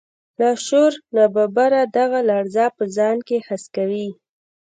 لاشعور ناببره دغه لړزه په ځان کې حس کوي